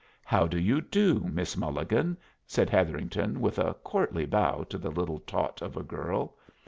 "How do you do, Miss Mulligan?" said Hetherington, with a courtly bow to the little tot of a girl.